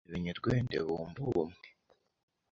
Uko ebenyerwende bumve ubumwe